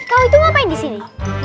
kau itu ngapain disini